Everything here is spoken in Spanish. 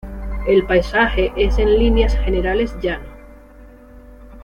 El paisaje es en líneas generales llano.